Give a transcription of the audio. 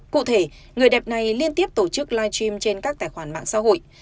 cụ thể người đẹp này liên tiếp tổ chức live stream trên các tài khoản mạng xã hội